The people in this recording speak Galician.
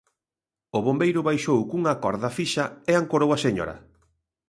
O bombeiro baixou cunha corda fixa e ancorou a señora.